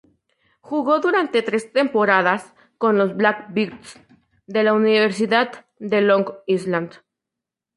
Jugó durante tres temporadas con los "Blackbirds" de la Universidad de Long Island.